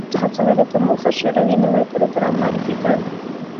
د نوښتونو د هڅونې په موخه شوروي نوی پروګرام معرفي کړ